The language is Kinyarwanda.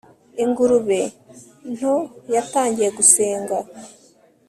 ingurube nto yatangiye gusenga